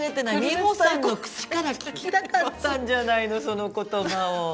美穂さんの口から聞きたかったんじゃないのその言葉を。